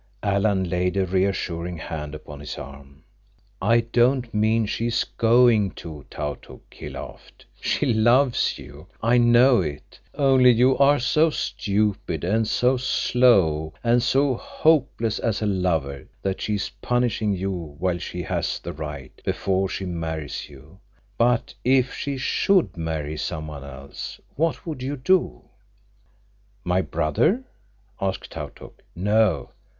Alan laid a reassuring hand upon his arm. "I don't mean she's going to, Tautuk," he laughed. "She loves you. I know it. Only you are so stupid, and so slow, and so hopeless as a lover that she is punishing you while she has the right—before she marries you. But if she should marry someone else, what would you do?" "My brother?" asked Tautuk. "No."